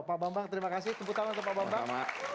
pak bambang terima kasih tepuk tangan untuk pak bambang